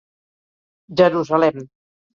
Jerusalem.